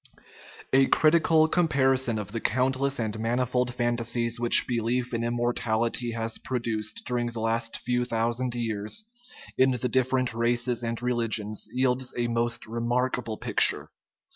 A critical comparison of the countless and manifold fantasies which belief in immortality has produced during the last few thousand years in the different races and religions yields a most remarkable picture.